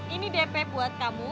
ini dp buat kamu